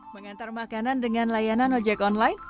mengantar makanan dengan layanan ojek online